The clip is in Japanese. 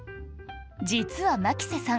実は牧瀬さん